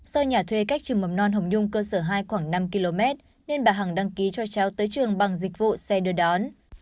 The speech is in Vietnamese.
do nhà thuê cách trường mầm non hồng nhung cơ sở hai khoảng năm km nên bà hằng đăng ký cho cháu tới trường bằng dịch vụ xe đưa đón